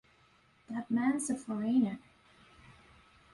That man's a foreigner.